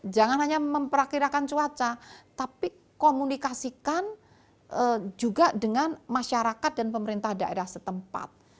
jangan hanya memperkirakan cuaca tapi komunikasikan juga dengan masyarakat dan pemerintah daerah setempat